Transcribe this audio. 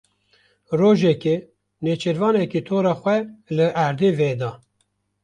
Rojekê nêçîrvanekî tora xwe li erdê veda.